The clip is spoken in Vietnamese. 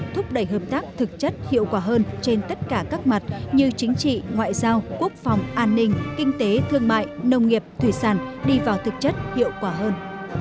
thúc đẩy hợp tác thực chất hiệu quả hơn trên tất cả các mặt như chính trị ngoại giao quốc phòng an ninh kinh tế thương mại nông nghiệp thủy sản đi vào thực chất hiệu quả hơn